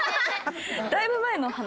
だいぶ前の話です。